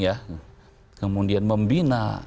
ya kemudian membina